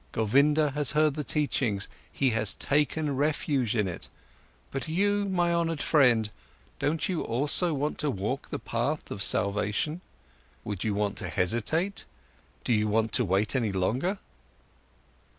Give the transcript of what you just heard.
Govinda has heard the teachings, he has taken refuge in it. But you, my honoured friend, don't you also want to walk the path of salvation? Would you want to hesitate, do you want to wait any longer?"